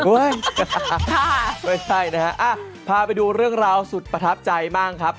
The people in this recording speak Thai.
ค่ะไม่ใช่นะครับอ่ะพาไปดูเรื่องราวสุดประทับใจมากครับ